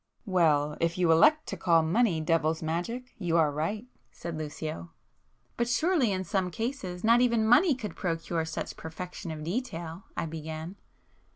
"Well, if you elect to call money devil's magic, you are right,"—said Lucio. "But surely in some cases, not even money could procure such perfection of detail"——I began.